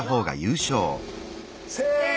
せの。